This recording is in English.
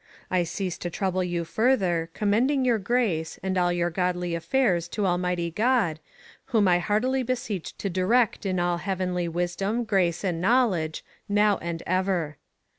1 ceasse to trouble you further, recommending your Grace, and all your godly affayres to almighty God, whom I hartely beseeche to direct in all heauenly wisdome^ grace, and knowledge, now and euer.